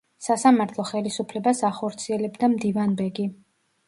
სასამართლო ხელისუფლებას ახორციელებდა მდივანბეგი.